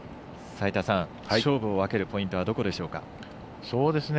勝負を分けるポイントはどこでしょうか。